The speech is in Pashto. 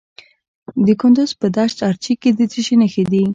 د کندز په دشت ارچي کې د څه شي نښې دي؟